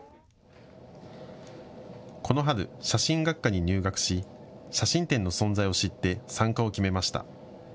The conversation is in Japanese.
この春、写真学科に入学し写真展の存在を知って参加を決めました。